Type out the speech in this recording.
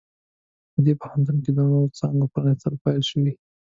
په دې پوهنتون کې د نوو څانګو پرانیستل پیل شوي